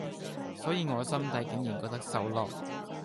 所以我心底竟然覺得受落